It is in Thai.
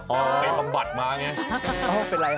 เป็นบำบัดมาไงอ้อเป็นอะไรคะ